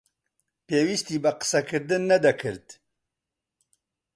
پێویستی بە قسەکردن نەدەکرد.